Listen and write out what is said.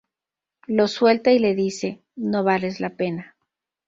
Lo suelta y le dice "No vales la pena".